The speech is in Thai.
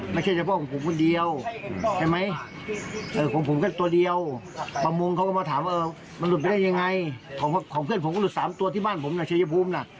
มันหลุดไปได้ยังไงของเพื่อนผมก็หลุด๓ตัวที่บ้านผมเฉยภูมิน่ะ